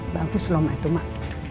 bagus loh mak itu mak